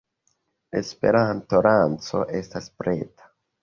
Esperanto-lanĉo estas preta